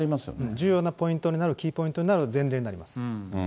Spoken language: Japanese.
重要なポイントになる、キーポイントになる前例になります。